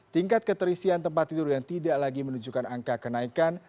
tingkat keterisian tempat tidur yang tidak lagi menunjukkan angka kenaikan